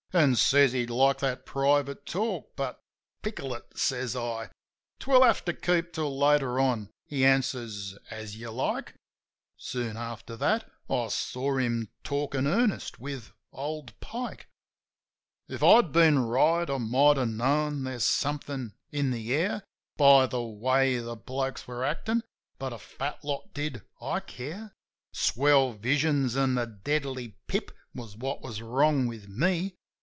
An' says he'd like that private talk, but, "Pickle it," says I. THE VISION 43 " 'Twill have to keep till later on." He answers, "As you like." ' Soon after that I saw him talkin' earnest with old Pike. If I'd been right, I might have known there's somethin' in the air By the way the blokes were actin' ; but a fat lot did I care. Swell visions an' the deadly pip was what was wrong with me.